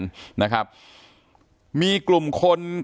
การแก้เคล็ดบางอย่างแค่นั้นเอง